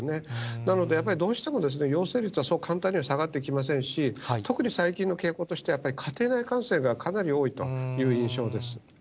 なので、やっぱりどうしても陽性率はそう簡単には下がってきませんし、特に最近の傾向としては、やっぱり家庭内感染がかなり多いという印象です。